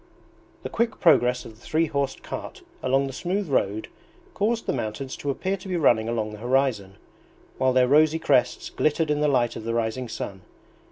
The quick progress of the three horsed cart along the smooth road caused the mountains to appear to be running along the horizon, while their rosy crests glittered in the light of the rising sun.